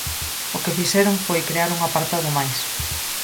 O que fixeron foi crear un apartado máis.